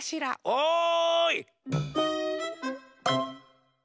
おい！